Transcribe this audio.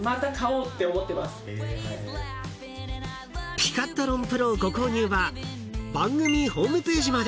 ［ピカットロンプロご購入は番組ホームページまで］